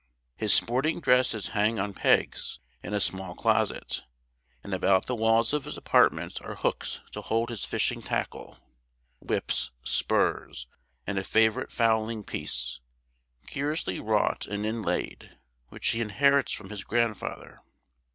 His sporting dresses hang on pegs in a small closet; and about the walls of his apartment are hooks to hold his fishing tackle, whips, spurs, and a favourite fowling piece, curiously wrought and inlaid, which he inherits from his grandfather.